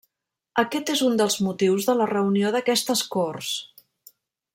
Aquest és un dels motius de la reunió d'aquestes corts.